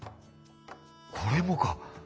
これもか。